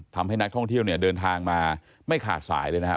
ทำให้นักท่องเที่ยวเนี่ยเดินทางมาไม่ขาดสายเลยนะครับ